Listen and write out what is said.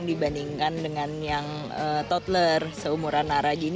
dibandingkan dengan yang toddler seumuran arah gini